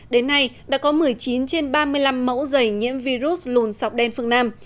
đến nay đã có một mươi chín trên ba mươi năm mẫu dày nhiễm virus lùn sọc đen phương nam